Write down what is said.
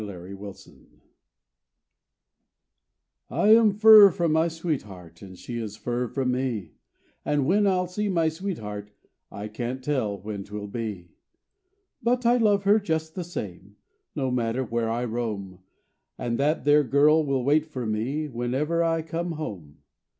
A FRAGMENT I am fur from my sweetheart And she is fur from me, And when I'll see my sweetheart I can't tell when 'twill be. But I love her just the same, No matter where I roam; And that there girl will wait fur me Whenever I come home.